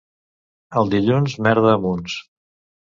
El dilluns, merda a munts.